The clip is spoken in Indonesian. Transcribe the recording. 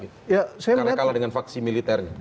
karena kalah dengan vaksi militernya